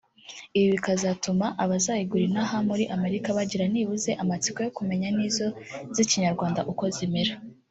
Ibyo bikazatuma abazayigura inaha muri Amerika bagira nibuze amatsiko yo kumenya n’izo zikinyarwanda uko zimera